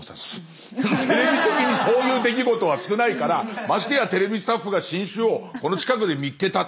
テレビ的にそういう出来事は少ないからましてやテレビスタッフが新種をこの近くで見っけた。